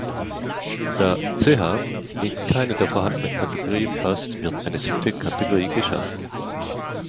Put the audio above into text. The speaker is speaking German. Da “ch” in keine der vorhandenen Kategorien passt, wird eine siebte Kategorie geschaffen.